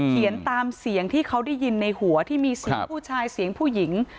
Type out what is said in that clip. เขียนตามเสียงที่เขาได้ยินในหัวที่มีเสียงผู้ชายเสียงผู้หญิง